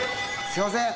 すいません。